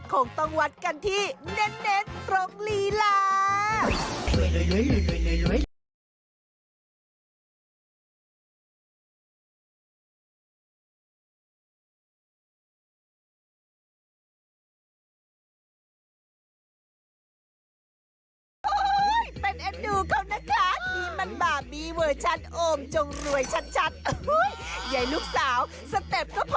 คงต้องวัดกันที่เน้นตรงลีลา